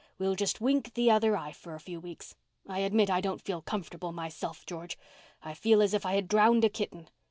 We'll just wink the other eye for a few weeks. I admit I don't feel comfortable myself, George. I feel as if I had drowned a kitten.